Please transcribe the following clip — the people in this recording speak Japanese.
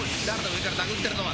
上から殴ってるのは。